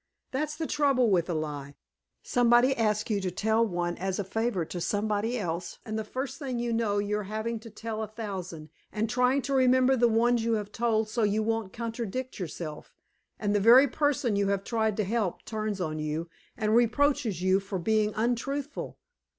That's the trouble with a lie; somebody asks you to tell one as a favor to somebody else, and the first thing you know, you are having to tell a thousand, and trying to remember the ones you have told so you won't contradict yourself, and the very person you have tried to help turns on you and reproaches you for being untruthful!